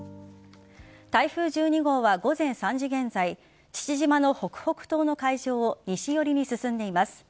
台風１２号は午前３時現在父島の北北東の海上を西寄りに進んでいます。